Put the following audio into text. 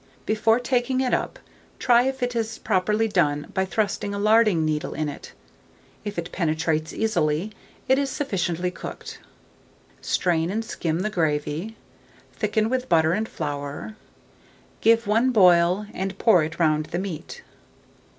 Before taking it up, try if it is properly done by thrusting a larding needle in it: if it penetrates easily, it is sufficiently cooked. Strain and skim the gravy, thicken with butter and flour, give one boil, and pour it round the meat.